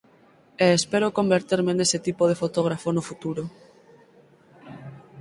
E espero converterme nese tipo de fotógrafo no futuro.